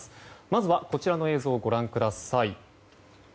まずこちらの映像をご覧ください。